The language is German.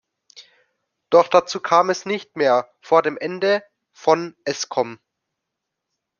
Doch dazu kam es nicht mehr vor dem Ende von Escom.